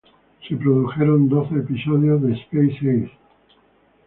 Se produjeron doce episodios de Space Ace.